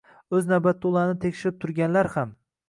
O‘z navbatida ularni tekshirib turganlar ham.